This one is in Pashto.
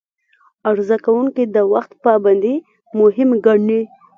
عرضه کوونکي د وخت پابندي مهم ګڼي.